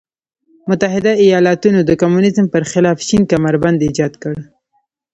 متحده ایالتونو د کمونیزم پر خلاف شین کمربند ایجاد کړ.